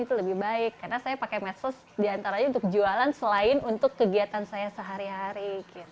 karena saya di rumah aja saya gak ada kegiatan lain